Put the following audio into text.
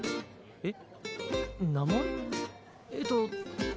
えっ？